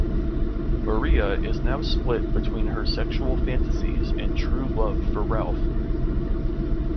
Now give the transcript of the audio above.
Maria is now split between her sexual fantasies and true love for Ralf.